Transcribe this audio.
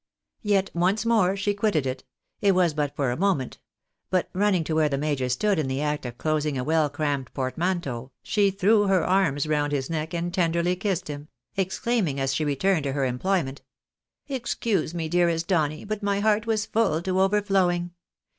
Yet once more she quitted it ;— it was but for a moment ;— but running to where the major stood in the act of closing a well crammed portmanteau, she threw her arms round 286 THE BaI^I^Au I'o iJM AMKKICA. his neck and tenderly kissed him, exclaiming as she returned to her employment —" Excuse me, dearest Denny, but my heart was full to over flowing